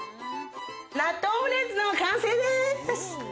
納豆オムレツの完成です。